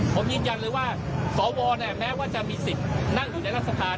ผมยืนยันเลยว่าสวแม้ว่าจะมีสิทธิ์นั่งอยู่ในรัฐสภา